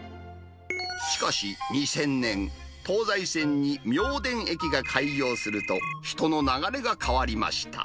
しかし、２０００年、東西線に妙典駅が開業すると、人の流れが変わりました。